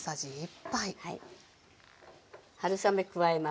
春雨加えます。